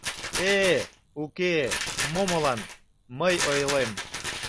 Э!., уке... мо молан... мый ойлем.